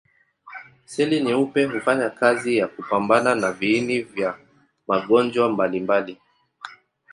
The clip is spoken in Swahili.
Seli nyeupe hufanya kazi ya kupambana na viini vya magonjwa mbalimbali.